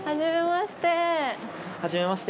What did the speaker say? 初めまして！